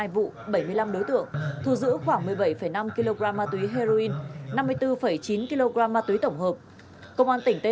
hai vụ bảy mươi năm đối tượng thu giữ khoảng một mươi bảy năm kg ma túy heroin năm mươi bốn chín kg ma túy tổng hợp công an tỉnh tây